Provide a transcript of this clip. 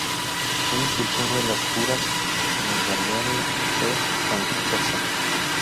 Fue impulsor de las curas en el balneario de Panticosa.